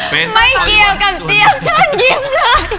ไม่เกี่ยวกับเจี๊ยบเชิญยิ้มเลย